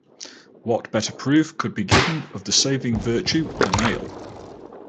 What better proof could be given of the saving virtue of a nail?